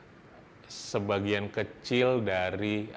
hai sebagian kecil dari